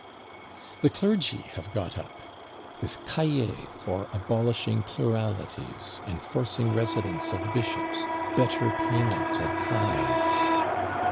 The clergy have got up; with Cahiers for abolishing pluralities, enforcing residence of bishops, better payment of tithes.